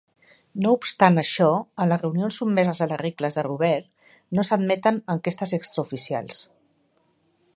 No obstant això, en les reunions sotmeses a les regles de Robert, no s'admeten enquestes extraoficials.